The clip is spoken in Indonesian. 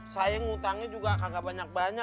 saya ngutangnya juga kagak banyak banyak